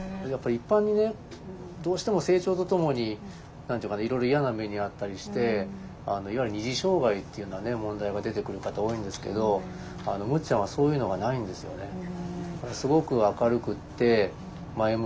やっぱり一般にねどうしても成長とともに何て言うかないろいろ嫌な目に遭ったりしていわゆる二次障害っていうような問題が出てくる方多いんですけどむっちゃんはそういうのがないんですよね。